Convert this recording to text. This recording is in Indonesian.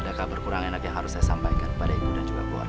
ada kabar kurang enak yang harus saya sampaikan kepada ibu dan juga keluarga